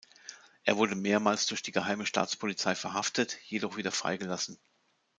Er wurde mehrmals durch die Geheime Staatspolizei verhaftet, jedoch wieder freigelassen.